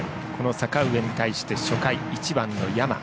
阪上に対して初回、１番の山。